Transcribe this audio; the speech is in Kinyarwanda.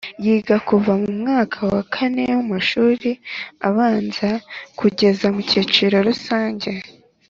yiga kuva mu mwaka wa kane w’amashuri abanza kugera mu kiciro rusange,